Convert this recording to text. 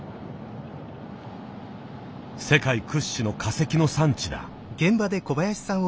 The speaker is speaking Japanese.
世界屈指の化石の産地だ。